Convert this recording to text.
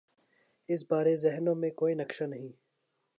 اس بارے ذہنوں میں کوئی نقشہ نہیں۔